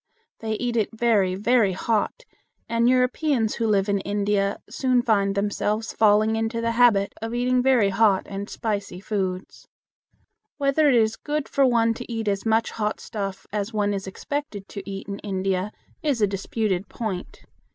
They eat it very, very hot, and Europeans who live in India soon find themselves falling into the habit of eating very hot and spicy foods. Whether it is good for one to eat as much hot stuff as one is expected to eat in India is a disputed point.